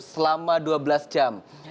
selama dua belas jam